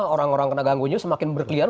orang orang kena ganggu nyus semakin berkeliaran